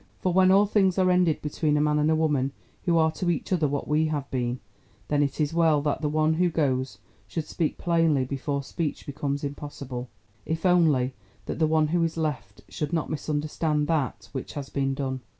For when all things are ended between a man and a woman who are to each other what we have been, then it is well that the one who goes should speak plainly before speech becomes impossible, if only that the one who is left should not misunderstand that which has been done.